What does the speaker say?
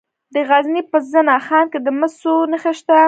د غزني په زنه خان کې د مسو نښې شته.